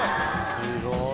すごい。